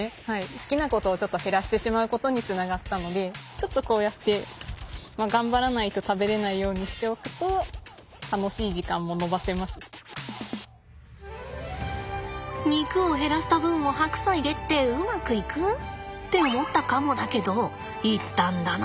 好きなことをちょっと減らしてしまうことにつながったのでちょっとこうやって頑張らないと食べれないようにしておくと肉を減らした分を白菜でってうまくいく？って思ったかもだけどいったんだな